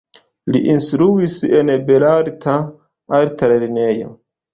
Li instruis en la Belarta Altlernejo.